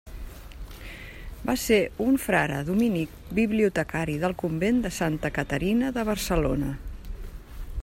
Va ser un frare dominic, bibliotecari del convent de Santa Caterina de Barcelona.